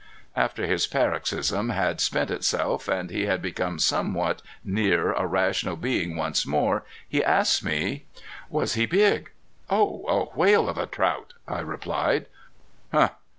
After his paroxysm had spent itself and he had become somewhat near a rational being once more he asked me: "Was he big?" "Oh a whale of a trout!" I replied.